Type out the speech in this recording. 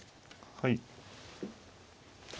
はい。